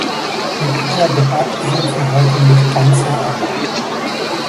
Mit dieser Debatte sind sie heute nicht ganz so allein.